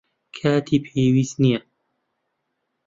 کاتی پێویست نییە.